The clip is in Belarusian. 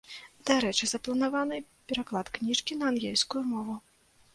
Дарэчы, запланаваны пераклад кніжкі на ангельскую мову.